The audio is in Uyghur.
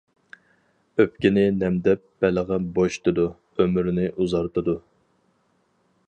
ئۆپكىنى نەمدەپ، بەلغەم بوشىتىدۇ، ئۆمۈرنى ئۇزارتىدۇ.